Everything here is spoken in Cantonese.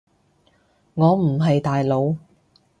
我唔係大佬